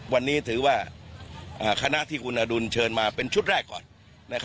วันนี้ถือว่าคณะที่คุณอดุลเชิญมาเป็นชุดแรกก่อน